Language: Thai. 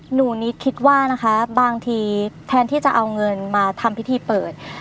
หนูนิดคิดว่านะคะบางทีแทนที่จะเอาเงินมาทำพิธีเปิด